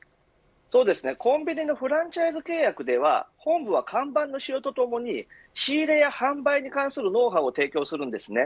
コンビニのフランチャイズ契約では本部は看板の使用とともに仕入れや販売に関するノウハウを提供します。